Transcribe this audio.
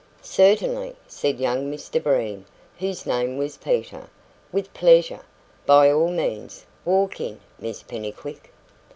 "Certainly," said young Mr Breen, whose name was Peter. "With pleasure. By all means. Walk in, Miss Pennycuick."